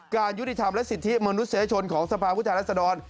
การยุติธรรมและสิทธิมนุษยชนของสภาพุทธรัศดร